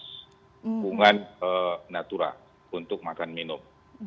hubungan natura untuk makan minum